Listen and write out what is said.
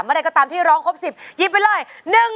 เมื่อไหร่ก็ตามที่ร้องครบสิบยิบไปเลย